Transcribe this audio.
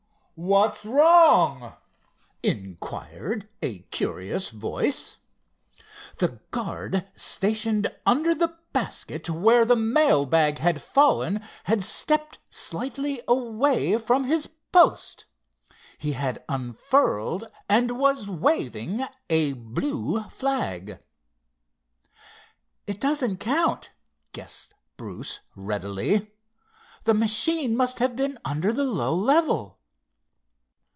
"What's wrong?" inquired a curious voice. The guard stationed under the basket where the mail bag had fallen had stepped slightly away from his post. He had unfurled and was waving a blue flag. "It doesn't count," guessed Bruce readily. "The machine must have been under the low level."